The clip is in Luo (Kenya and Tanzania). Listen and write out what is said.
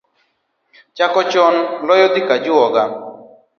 Chako chon loyo dhi ajuoga